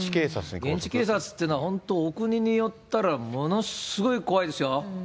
現地警察っていうのは、本当にお国によったら、ものすごく怖いですよ。